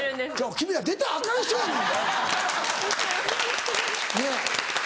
君ら出たらアカン人やねんねねぇ。